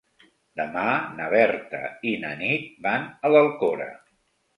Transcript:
Demà na Berta i na Nit van a l'Alcora.